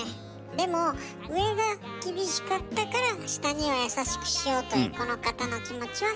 でも上が厳しかったから下には優しくしようというこの方の気持ちは優しい大事な気持ちだと思います。